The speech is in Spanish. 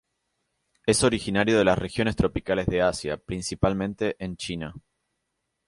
Es originario de las regiones tropicales de Asia, principalmente en China.